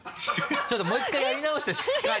ちょっともう１回やり直してしっかり。